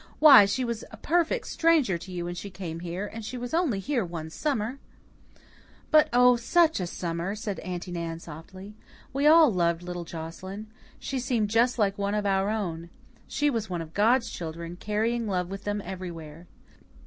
"Why, she was a perfect stranger to you when she came here, and she was here only one summer!" "But oh, such a summer!" said Aunty Nan softly. "We all loved little Joscelyn. She just seemed like one of our own. She was one of God's children, carrying love with them everywhere.